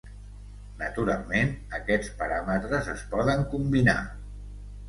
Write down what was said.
Naturalment, aquests paràmetres es poden combinar.